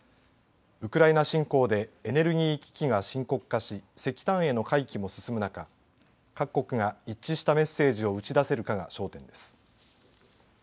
ウクライナ侵攻でエネルギー危機が深刻化し石炭への回帰が進む中各国が一致したメッセージを打ち出せるかが焦点です。